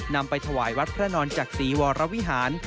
นำไปถวายวัดพระนอนจักษีวรวิหาร